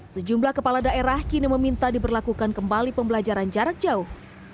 sejumlah kepala daerah kini meminta diberlakukan kembali pembelajaran jarak jauh